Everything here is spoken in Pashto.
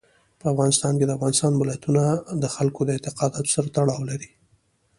په افغانستان کې د افغانستان ولايتونه د خلکو د اعتقاداتو سره تړاو لري.